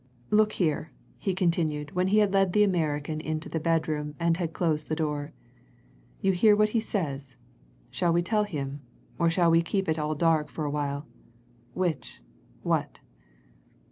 Look here," he continued, when he had led the American into the bedroom and had closed the door. "You hear what he says? Shall we tell him? Or shall we keep it all dark for a while? Which what?"